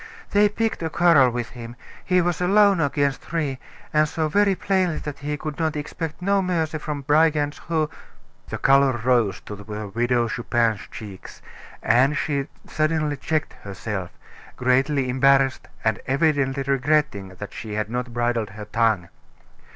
They picked a quarrel with him; he was alone against three, and saw very plainly that he could expect no mercy from brigands who " The color rose to the Widow Chupin's cheeks, and she suddenly checked herself, greatly embarrassed, and evidently regretting that she had not bridled her tongue.